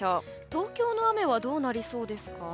東京の雨はどうなりそうですか？